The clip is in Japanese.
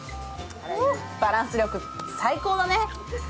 バランスよく、最高だね。